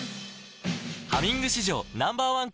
「ハミング」史上Ｎｏ．１抗菌